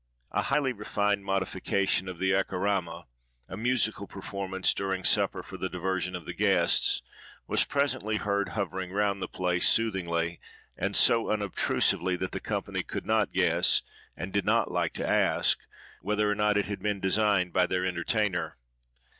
A highly refined modification of the acroama—a musical performance during supper for the diversion of the guests—was presently heard hovering round the place, soothingly, and so unobtrusively that the company could not guess, and did not like to ask, whether or not it had been designed by their entertainer.